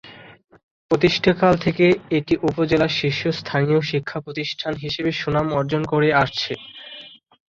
প্রতিষ্ঠাকাল থেকে এটি উপজেলার শীর্ষস্থানীয় শিক্ষা প্রতিষ্ঠান হিসেবে সুনাম অর্জন করে আসছে।